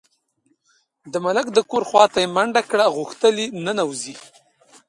د ملک د کور خواته یې منډه کړه، غوښتل یې ننوځي.